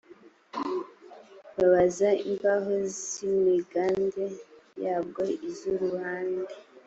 bab za imbaho z imiganda yabwo iz uruhande